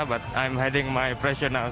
tapi saya menghidupkan tekanan saya sekarang